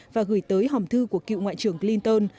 và gửi tới hòm thư của cựu ngoại trưởng clinton